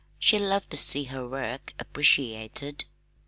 She loved to see her work appreciated.